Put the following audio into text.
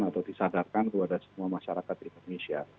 atau disadarkan kepada semua masyarakat indonesia